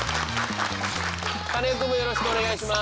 カネオくんもよろしくお願いします。